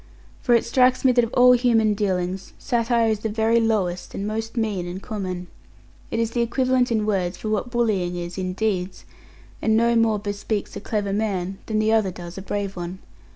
For it strikes me that of all human dealings, satire is the very lowest, and most mean and common. It is the equivalent in words of what bullying is in deeds; and no more bespeaks a clever man, than the other does a brave one.